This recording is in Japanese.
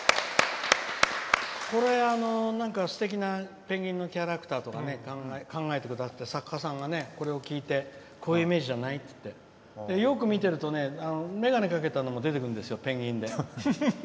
これ、すてきなペンギンのキャラクターとかね考えてくださって作家さんがこれを聴いて、こういうイメージじゃない？ってよく見てると、めがねかけたのも出てくるんですよ、ペンギンで。